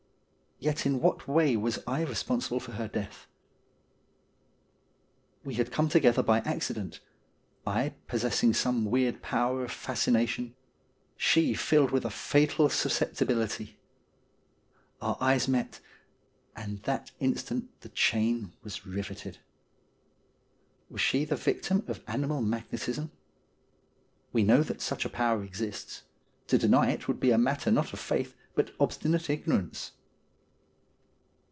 Yet in what way was I responsible for her death ? We had come together by accident — I possessing some weird power of fascination : she filled with a fatal suscepti bility. Our eyes met, and that instant the chain was riveted. Was she the victim of animal magnetism ? We know that such a power exists. To deny it would be a matter not of faith but obstinate ignorance.